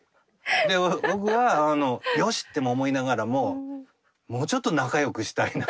で僕はよし！って思いながらももうちょっと仲良くしたいなと思ったりは。